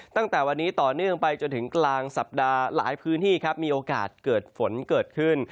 ตั้งแต่วันนี้ต่อเนื่องไปจนถึงกลางสัปดาห์หลายพื้นที่ครับมีโอกาสเกิดฝนเกิดขึ้น